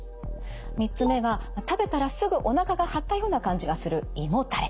３つ目が食べたらすぐおなかが張ったような感じがする胃もたれ。